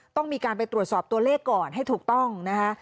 ต้องมีการไปตรวจสอบตัวเลขก่อนให้ถูกต้องนะคะ